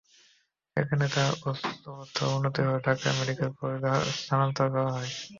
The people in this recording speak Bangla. সেখানে তাঁর অবস্থার অবনতি হলে ঢাকা মেডিকেল কলেজ হাসপাতালে স্থানান্তর করা হয়।